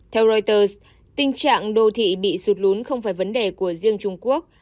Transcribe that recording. theo reuters tình trạng đô thị bị sụt lún không phải vấn đề của riêng trung quốc